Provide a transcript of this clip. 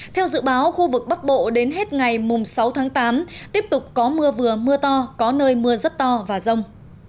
theo dự báo khu vực bắc bộ đến hết ngày sáu tháng tám tiếp tục có mưa vừa mưa to có nơi mưa rất to và rông